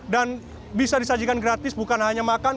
dan bisa disajikan gratis bukan hanya makan